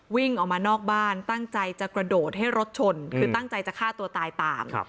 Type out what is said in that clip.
วิ่งออกมานอกบ้านตั้งใจจะกระโดดให้รถชนคือตั้งใจจะฆ่าตัวตายตาม